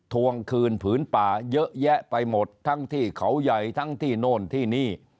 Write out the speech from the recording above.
ทวงคืนผืนป่าเยอะแยะไปหมดทั้งที่เขาใหญ่ทั้งที่โน่นที่นี่